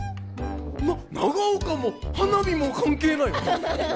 長岡も花火も関係ない。